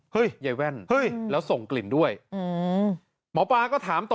ยายแว่นเฮ้ยแล้วส่งกลิ่นด้วยหมอปลาก็ถามต่อ